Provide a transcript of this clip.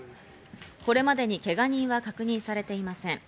これまでにけが人は確認されていません。